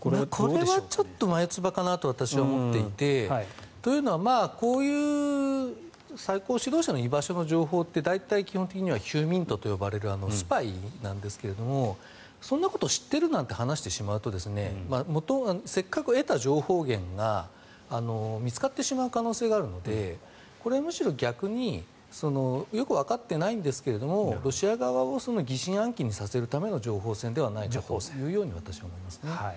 これは眉つばかなと私は思っていてというのは、こういう最高指導者の居場所の情報って大体、基本的にはヒューミントと呼ばれるスパイなんですがそんなことを知ってるなんて話してしまうとせっかく得た情報源が見つかってしまう可能性があるのでこれはむしろ逆によくわかっていないんですがロシア側を疑心暗鬼にさせるための情報戦ではないかと私は思いますね。